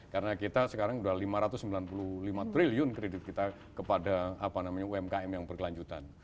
karena kita sekarang sudah lima ratus sembilan puluh lima triliun kredit kita kepada apa namanya umkm yang berkelanjutan